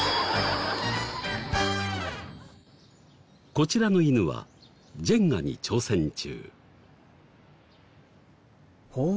こちらの犬はジェンガに挑戦中。